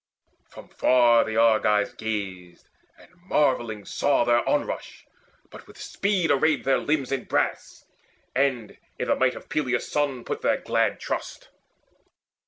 From far the Argives gazed, and marvelling saw Their onrush, but with speed arrayed their limbs In brass, and in the might of Peleus' son Put their glad trust.